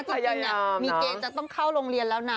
จริงล่ะนี่เจ๊จะต้องเข้าโรงเรียนแล้วนะ